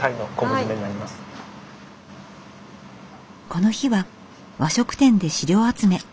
この日は和食店で資料集め。